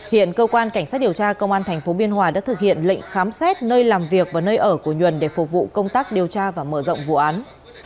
hiện cơ quan cảnh sát điều tra công an tp biên hòa đã thực hiện lệnh khám xét nơi làm việc và nơi ở của nhuần để phục vụ công tác điều tra và mở rộng vụ án